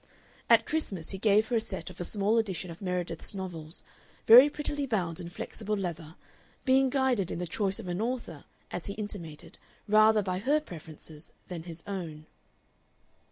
At Christmas he gave her a set of a small edition of Meredith's novels, very prettily bound in flexible leather, being guided in the choice of an author, as he intimated, rather by her preferences than his own.